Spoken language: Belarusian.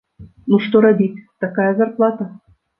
Ну што рабіць, такая зарплата!